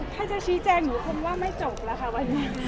ถ้าจะชี้แจงหนูคงว่าไม่จบแล้วค่ะวันนี้